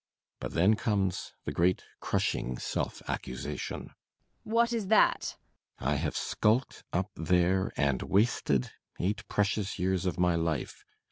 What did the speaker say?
But then comes the great, crushing self accusation. MRS. BORKMAN. What is that? BORKMAN. I have skulked up there and wasted eight precious years of my life!